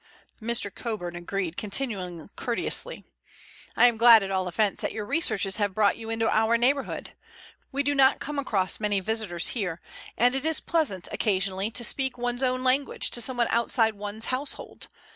Mr. Coburn agreed, continuing courteously: "I am glad at all events that your researches have brought you into our neighborhood. We do not come across many visitors here, and it is pleasant occasionally to speak one's own language to someone outside one's household.